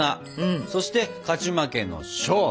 そして勝ち負けの「勝負」。